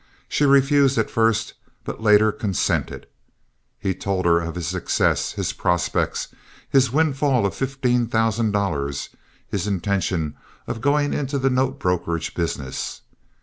She refused at first, but later consented. He had told her of his success, his prospects, his windfall of fifteen thousand dollars, his intention of going into the note brokerage business.